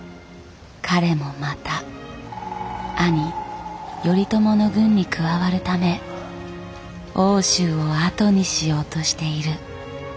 彼もまた兄頼朝の軍に加わるため奥州を後にしようとしている。